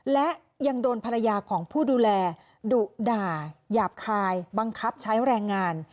และยังโดนภรรยาของผู้ดูแลดุด่าหยาบคายบังคับใช้แรงงาน